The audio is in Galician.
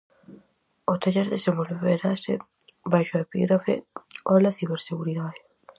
O taller desenvolverase baixo o epígrafe "Ola Ciberseguridade".